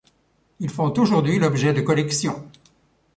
Ils font aujourd’hui l’objet de collection.